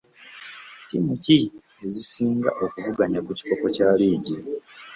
Ttiimu ki ezisinga kuvuganya ku kikopo kya liigi.